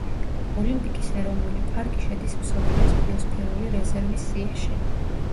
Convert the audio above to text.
ოლიმპიკის ეროვნული პარკი შედის მსოფლიოს ბიოსფერული რეზერვის სიაში.